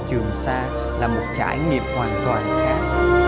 trường sa là một trải nghiệm hoàn toàn khác